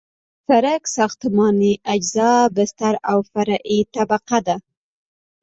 د سرک ساختماني اجزا بستر او فرعي طبقه ده